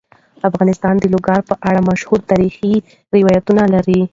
افغانستان د لوگر په اړه مشهور تاریخی روایتونه لري.